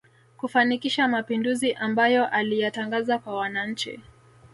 Kufanikisha mapinduzi amabayo aliyatangaza kwa wananchi